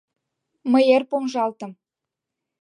Мый эр помыжалтым.